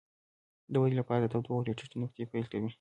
د ودې لپاره د تودوخې له ټیټې نقطې پیل کوي.